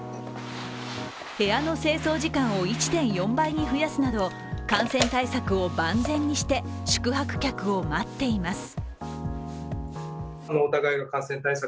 部屋の清掃時間を１．４倍に増やすなど感染対策を万全にして宿泊客を待っています。